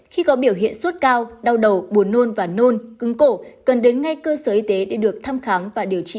khi có biểu hiện sốt cao đau đầu buồn nôn và nôn cứng cổ cần đến ngay cơ sở y tế để được thăm khám và điều trị